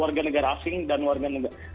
warga negara asing dan warga negara